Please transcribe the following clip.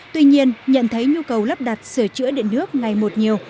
tuy nhiên nhận thấy nhu cầu lắp đặt sửa chữa điện nước ngày một nhiều